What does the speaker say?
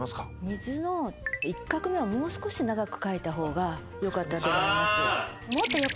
「水」の１画目をもう少し長く書いた方がよかったと思います。